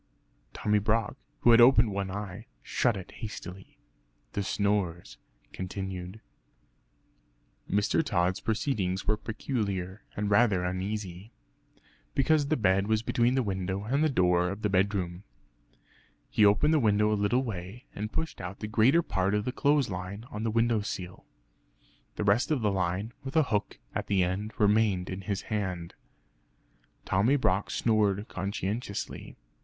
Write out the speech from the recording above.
Tommy Brock, who had opened one eye shut it hastily. The snores continued. Mr. Tod's proceedings were peculiar, and rather uneasy, (because the bed was between the window and the door of the bedroom). He opened the window a little way, and pushed out the greater part of the clothes line on to the window sill. The rest of the line, with a hook at the end, remained in his hand. Tommy Brock snored conscientiously.